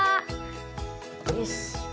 よし。